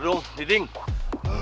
ini bukan masalah serang atau perang bukan